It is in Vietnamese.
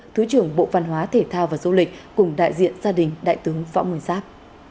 thứ trưởng bộ văn hóa thể thao và du lịch cùng đại diện gia đình đại tướng võ nguyên giáp